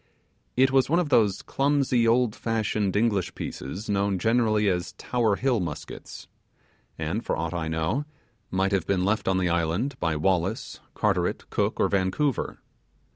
It was one of those clumsy, old fashioned, English pieces known generally as Tower Hill muskets, and, for aught I know, might have been left on the island by Wallace, Carteret, Cook, or Vancouver.